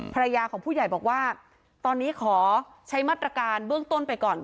ภรรยาของผู้ใหญ่บอกว่าตอนนี้ขอใช้มาตรการเบื้องต้นไปก่อน